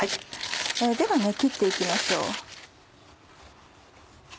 では切っていきましょう。